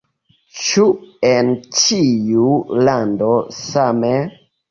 Ĉu en ĉiu lando same?